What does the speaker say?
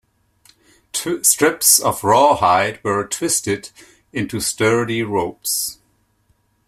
Strips of rawhide were twisted into sturdy ropes.